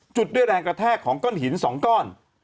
จุดด้วยแรงกระแทกของก้อนหิน๒ก้อน